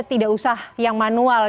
tidak usah yang manual